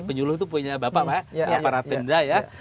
penyuluh itu punya bapak pak aparat tenda ya